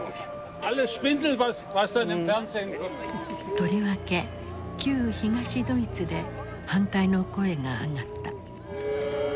とりわけ旧東ドイツで反対の声が上がった。